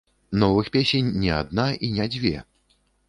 Новых песень не адна і не дзве.